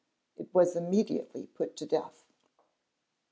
It was immediately put to death.